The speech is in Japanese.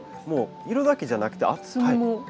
もう色だけじゃなくて厚みも。